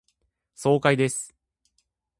爽快です。